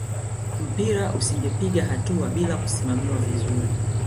mpira usingepiga hatua bila kusimamiwa vizuri